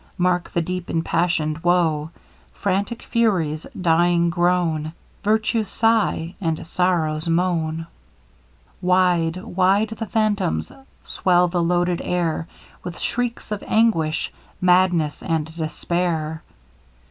Mark the deep empassioned woe! Frantic Fury's dying groan! Virtue's sigh, and Sorrow's moan! Wide wide the phantoms swell the loaded air With shrieks of anguish madness and despair!